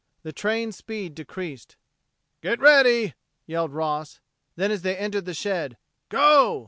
The train's speed decreased. "Get ready," yelled Ross; then, as they entered the shed, "Go!"